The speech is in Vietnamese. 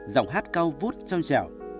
giọng hát cao vút trong trèo